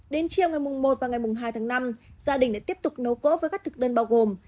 đến chiều ngày mùng một và ngày mùng hai tháng năm gia đình đã tiếp tục nấu gỗ với các thực đơn bao gồm